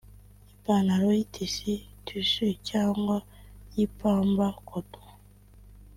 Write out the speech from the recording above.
ipantaro y’itisi (tissus) cyangwa y’ipamba (coton)